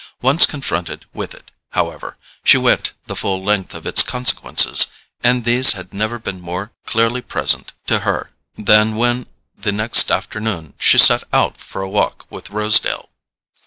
Once confronted with it, however, she went the full length of its consequences; and these had never been more clearly present to her than when, the next afternoon, she set out for a walk with Rosedale.